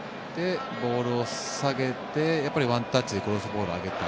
ボールを下げてワンタッチでクロスボールを上げた。